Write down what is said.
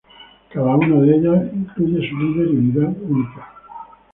Cada una de ellas incluye su líder y unidad únicas.